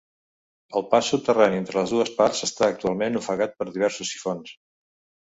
El pas subterrani entre les dues parts està actualment ofegat per diversos sifons.